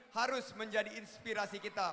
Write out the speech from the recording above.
harus menjadi inspirasi kita